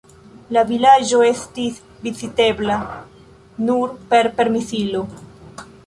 La vilaĝo estis vizitebla nur per permesilo.